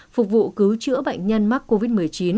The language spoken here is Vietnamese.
phục vụ cứu chữa bệnh nhân mắc covid một mươi chín